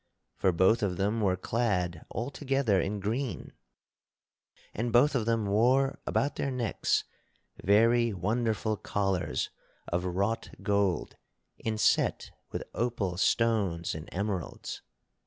For both of them were clad altogether in green, and both of them wore about their necks very wonderful collars of wrought gold inset with opal stones and emeralds.